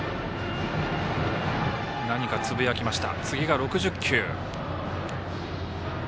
何か、つぶやきました。